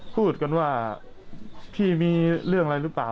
พูดกันว่าพี่มีเรื่องอะไรหรือเปล่า